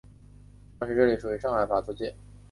当时这里位于上海法租界。